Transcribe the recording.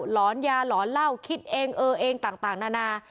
หอนยาหลอนเหล้าคิดเองเออเองต่างนานา